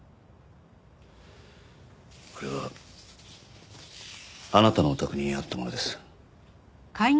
これはあなたのお宅にあったものです。